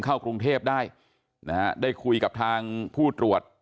เข้ากรุงเทพได้นะฮะได้คุยกับทางผู้ตรวจ